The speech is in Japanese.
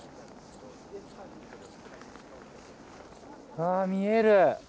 あ見える。